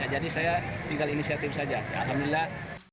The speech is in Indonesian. jadi saya tinggal inisiatif saja alhamdulillah